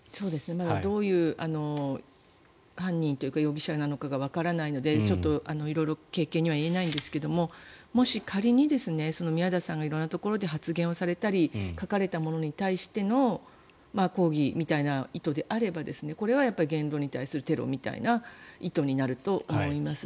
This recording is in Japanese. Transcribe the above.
まだどういう犯人というか容疑者なのかがわからないのでちょっと色々軽々には言えないんですけどももし、仮に宮台さんが色んなところで発言をされたり書かれたものに対しての抗議みたいな意図であればこれは言論に対するテロみたいな意図になると思います。